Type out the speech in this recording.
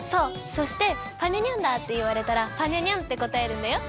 そして「ぱにゃにゃんだー」っていわれたら「ぱにゃにゃん」ってこたえるんだよ。